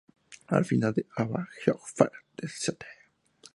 Al final el abad Geoffrey de St.